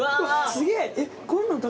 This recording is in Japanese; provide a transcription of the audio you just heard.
すげえ！